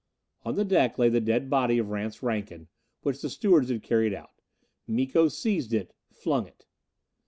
On the deck lay the dead body of Rance Rankin, which the stewards had carried out. Miko seized it, flung it.